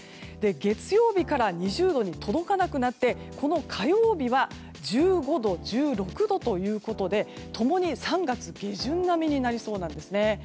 月曜日から２０度に届かなくなって火曜日は１５度、１６度ということで共に３月下旬並みになりそうなんですね。